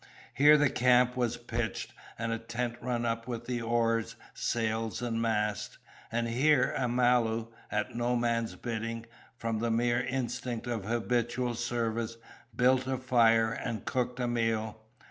Here the camp was pitched and a tent run up with the oars, sails, and mast. And here Amalu, at no man's bidding, from the mere instinct of habitual service, built a fire and cooked a meal.